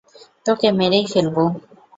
তোকে মেরেই ফেলবো!